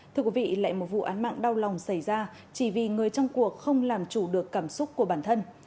thưa quý vị lại một vụ án mạng đau lòng xảy ra chỉ vì người trong cuộc không làm chủ được cảm xúc của bản thân